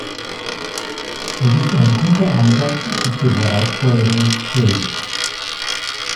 Es ist ein guter Ansatz, sich den Herausforderungen zu stellen.